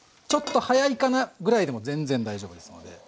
ちょっと早いかなぐらいでも全然大丈夫ですので。